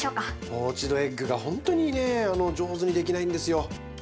ポーチドエッグがほんとにね上手にできないんですよ。